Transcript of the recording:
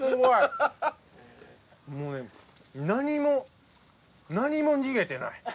もうね何も何も逃げてない。